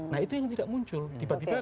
nah itu yang tidak muncul tiba tiba